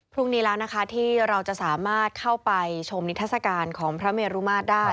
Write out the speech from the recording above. พรุ่งนี้แล้วนะคะที่เราจะสามารถเข้าไปชมนิทัศกาลของพระเมรุมาตรได้